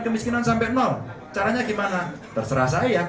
kemiskinan sampai nol caranya gimana